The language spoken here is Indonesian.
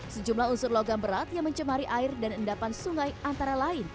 sejumlah unsur logam berat yang mencemari air dan endapan sungai antara lain